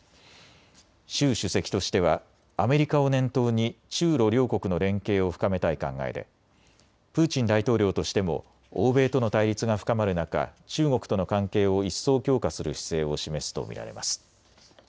習主席としてはアメリカを念頭に中ロ両国の連携を深めたい考えでプーチン大統領としても欧米との対立が深まる中、中国との関係を一層、強化する姿勢を示すと見られます。